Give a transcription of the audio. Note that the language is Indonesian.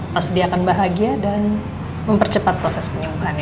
pasti dia akan bahagia dan mempercepat proses penyembuhannya